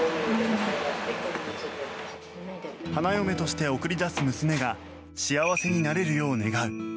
花嫁として送り出す娘が幸せになれるよう願う